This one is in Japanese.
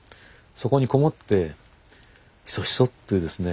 そこに籠もってヒソヒソってですね